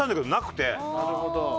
なるほど。